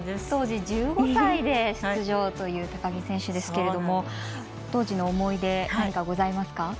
当時、１５歳で出場という高木選手ですが当時の思い出、何かございますか。